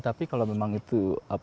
tapi kalau memang itu